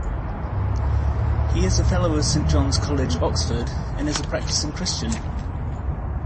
He is a Fellow of Saint John's College, Oxford, and is a practising Christian.